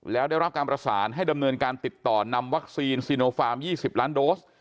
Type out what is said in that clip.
แล้วได้รับการประสานให้ดำเนินการติดต่อนำวัคซีนซีโนฟาร์ม๒๐ล้านโดส